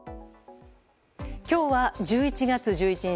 今日は１１月１１日。